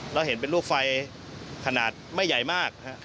แล้วเห็นเป็นลูกไฟขนาดไม่ใหญ่มาก